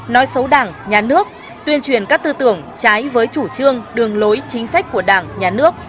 nói xấu đảng nhà nước tuyên truyền các tư tưởng trái với chủ trương đường lối chính sách của đảng nhà nước